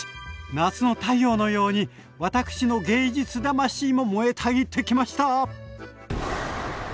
夏の太陽のように私の芸術魂も燃えたぎってきました。